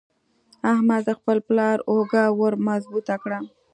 احمد د خپل پلار اوږه ور مضبوطه کړه.